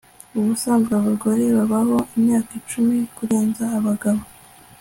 Ubusanzwe abagore babaho imyaka cumi kurenza abagabo